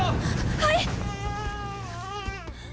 はい！